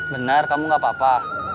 bener kamu gak papa